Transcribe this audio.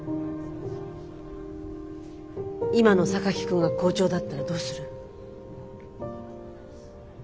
今の榊君が校長だったらどうする？